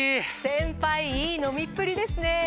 先輩いい飲みっぷりですね。